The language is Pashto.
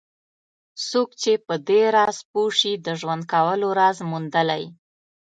څوک چې په دې راز پوه شي د ژوند کولو راز موندلی.